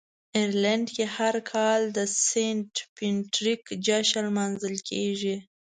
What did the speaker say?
آیرلنډ کې هر کال د "سینټ پیټریک" جشن لمانځل کیږي.